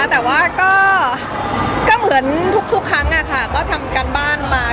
แต่ว่าก็เหมือนทุกครั้งก็ทำการบ้านมา